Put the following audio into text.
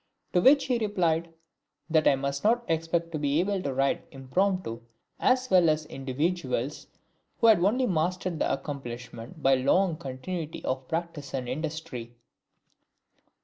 To which he replied that I must not expect to be able to ride impromptu as well as individuals who had only mastered the accomplishment by long continuity of practice and industry.